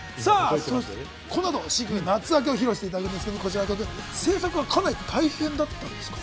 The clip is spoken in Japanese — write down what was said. このあと、新曲『夏暁』を披露していただきますが、制作がかなり大変だったんですか？